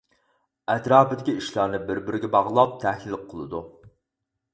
ئەتراپىدىكى ئىشلارنى بىر-بىرىگە باغلاپ تەھلىل قىلىدۇ.